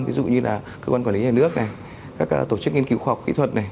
ví dụ như là cơ quan quản lý nhà nước các tổ chức nghiên cứu khoa học kỹ thuật